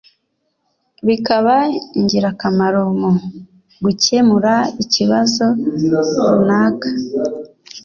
bikaba ingirakamaro mu gukemura ikibazo runaka